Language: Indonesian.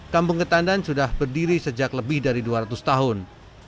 kampung ketandan sudah berdiri sejak lebih dari dua ratus tahun